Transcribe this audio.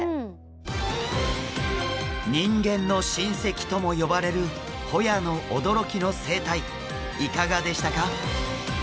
人間の親せきとも呼ばれるホヤの驚きの生態いかがでしたか？